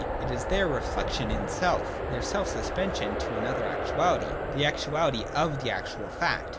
e. it is their reflection in self, and their self suspension to an other actuality, the actuality of the actual fact.